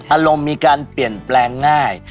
อารมณ์มีการเปลี่ยนแปลงง่าย